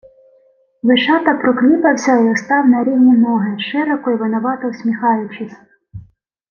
Вишата прокліпався й устав на рівні ноги, широко й винувато всміхаючись.